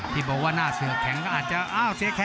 พี่บอกว่าน่าเสือกแข็งอาจจะ